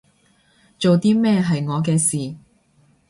做啲咩係我嘅事